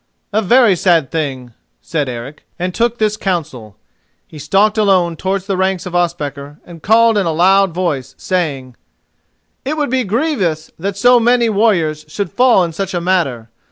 "A very sad thing," said Eric, and took this counsel. He stalked alone towards the ranks of Ospakar and called in a loud voice, saying: "It would be grievous that so many warriors should fall in such a matter.